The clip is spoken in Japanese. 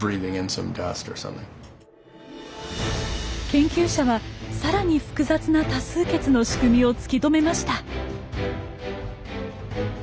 研究者はさらに複雑な多数決の仕組みを突き止めました。